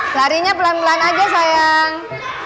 larinya pelan pelan aja sayang